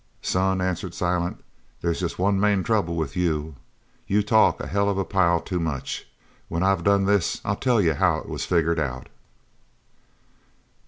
"Son," answered Silent, "they's jest one main trouble with you you talk a hell of a pile too much. When I've done this I'll tell you how it was figgered out!"